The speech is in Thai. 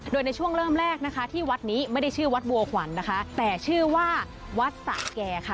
โดยในช่วงเริ่มแรกนะคะที่วัดนี้ไม่ได้ชื่อวัดบัวขวัญนะคะแต่ชื่อว่าวัดสะแก่ค่ะ